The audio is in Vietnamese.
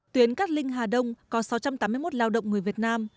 tuyến cát linh hà đông có sáu trăm tám mươi một lao động người việt nam